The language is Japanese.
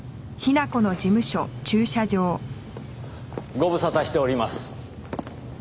ご無沙汰しております。